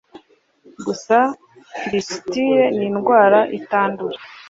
gusa fisitile n’indwara itandura